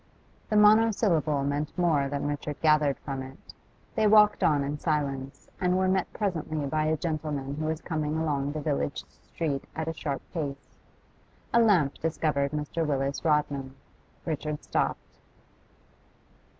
The monosyllable meant more than Richard gathered from it. They walked on in silence, and were met presently by a gentleman who was coming along the village street at a sharp pace. A lamp discovered Mr. Willis Rodman. Richard stopped.